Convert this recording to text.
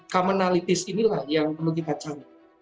commonalyties inilah yang perlu kita cari